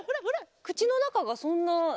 口の中がそんな。